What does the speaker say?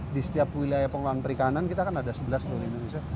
di setiap wilayah pengelolaan perikanan kita kan ada sebelas seluruh indonesia